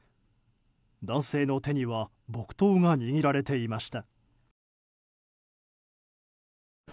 男性の手には木刀が握られていました。